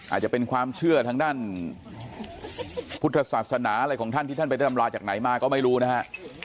อาจจะเป็นความเชื่อทางด้านพุทธศาสนาอะไรของท่านที่ท่านไปได้ตำราจากไหนมาก็ไม่รู้นะฮะ